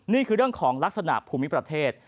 นี่คือเรื่องของลักษณะภูมิประเทศ